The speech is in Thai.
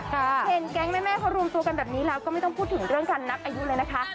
เห็นแก๊งแม่เขารวมตัวกันแบบนี้แล้วก็ไม่ต้องพูดถึงเรื่องการนับอายุเลยนะคะ